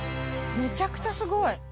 めちゃくちゃすごい。